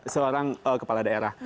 seorang kepala daerah